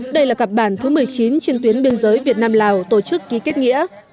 đây là cặp bản thứ một mươi chín trên tuyến biên giới việt nam lào tổ chức ký kết nghĩa